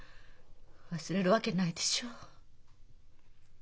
忘れるわけないでしょう。